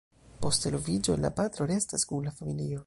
Post eloviĝo, la patro restas kun la familio.